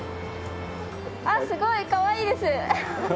あっすごいかわいいです。